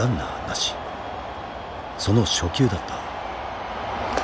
その初球だった。